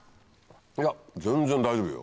いや全然大丈夫よ。